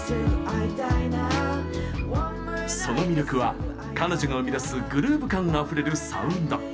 その魅力は、彼女が生み出すグルーヴ感あふれるサウンド。